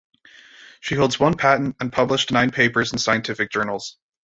She holds one patent and published nine papers in scientific journals.